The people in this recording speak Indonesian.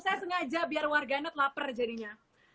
saya sengaja biar warganet lapar jadinya